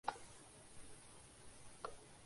دولت جن مضبوط ہاتھوں میں ہوتی ہے۔